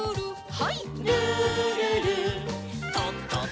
はい。